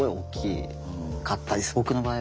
僕の場合は。